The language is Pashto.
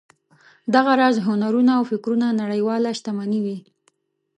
دغه راز هنرونه او فکرونه نړیواله شتمني وي.